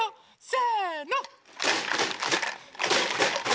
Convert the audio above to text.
せの！